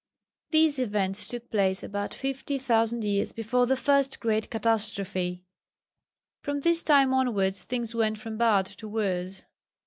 These events took place about 50,000 years before the first great catastrophe. From this time onwards things went from bad to worse.